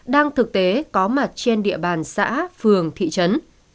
đang thực tế có mặt trên địa bàn xã phường thị trấn